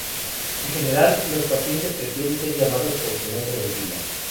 En general, los pacientes prefieren ser llamados por su nombre de pila.